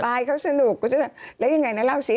เขาสนุกเขาจะแล้วยังไงนะเล่าสิ